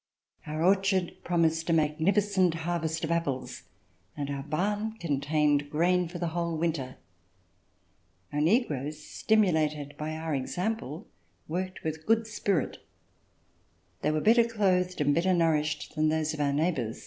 Our orchard promised a magnificent harvest of apples, and our barn contained grain for the whole winter. Our negroes, stimulated by our example, worked with good spirit. They were better clothed and better nourished than those of our neighbors.